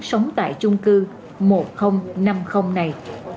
sống tại chung cư một nghìn năm mươi này